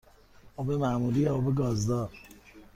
آب معمولی یا آب گازدار؟